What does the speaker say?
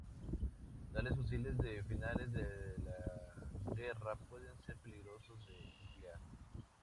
Tales fusiles de finales de la guerra pueden ser peligrosos de emplear.